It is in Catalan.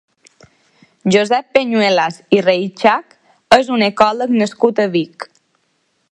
Josep Peñuelas i Reixach és un ecòleg nascut a Vic.